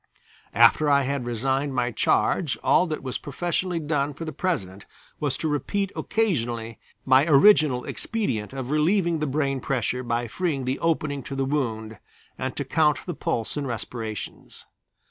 After I had resigned my charge all that was professionally done for the President was to repeat occasionally my original expedient of relieving the brain pressure by freeing the opening to the wound and to count the pulse and respirations.